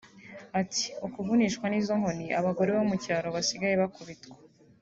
Ati "Ukuvunishwa nizo nkoni abagore bo mu cyaro basigaye bakubitwa